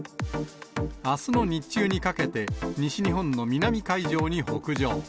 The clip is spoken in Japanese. あすの日中にかけて西日本の南海上に北上。